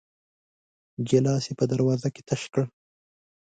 ګيلاس يې په دروازه کې تش کړ.